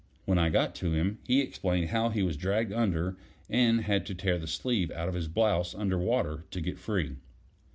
When I got to him, he explained how he was dragged under and had to tear the sleeve out of his blouse under water to get free.